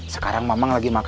sekarang mamang lagi tersenyum